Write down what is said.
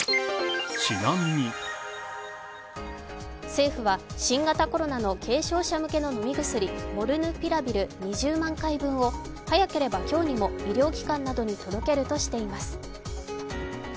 政府は新型コロナの軽症者向けの飲み薬、モルヌピラビル２０万回分を早ければ今日にも医療機関などに届けるとしています。